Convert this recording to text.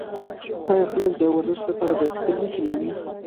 آیا خلک د ورزش لپاره بایسکل نه چلوي؟